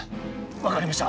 分かりました！